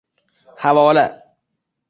havola 👇👇👇